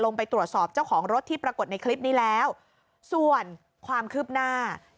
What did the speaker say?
ลงไปตรวจสอบเจ้าของรถที่ปรากฏในคลิปนี้แล้วส่วนความคืบหน้า